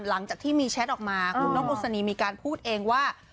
หลังจากที่มีแชทออกมาคุณนกอุศนีมีการพูดเองว่า